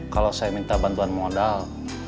kalau saya minta bantuan modal